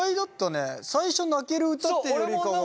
最初泣ける歌っていうよりかは。